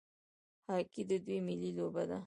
هاکي د دوی ملي لوبه ده.